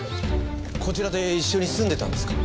こちらで一緒に住んでたんですか？